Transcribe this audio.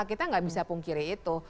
kita nggak bisa pungkiri itu